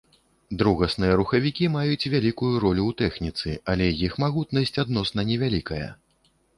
Другасныя рухавікі маюць вялікую ролю ў тэхніцы, але іх магутнасць адносна невялікая.